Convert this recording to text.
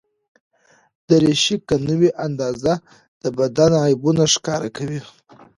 دریشي که نه وي اندازه، د بدن عیبونه ښکاره کوي.